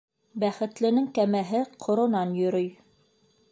Бәхетленең кәмәһе ҡоронан йөрөй.